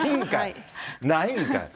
ないんかい。